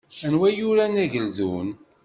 Anwa i yuran Ageldun?